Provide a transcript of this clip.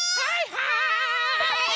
はい！